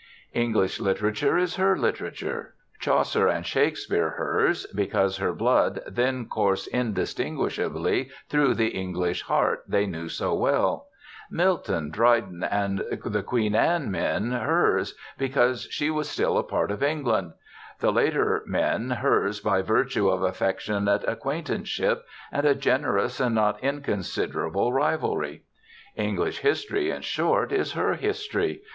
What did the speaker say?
English literature is her literature Chaucer and Shakespeare hers because her blood then coursed indistinguishably through the English heart they knew so well; Milton, Dryden, and the Queen Anne men hers, because she was still a part of England; the later men hers by virtue of affectionate acquaintanceship and a generous and not inconsiderable rivalry. English history, in short, is her history.